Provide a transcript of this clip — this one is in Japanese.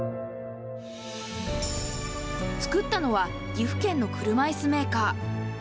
作ったのは、岐阜県の車いすメーカー。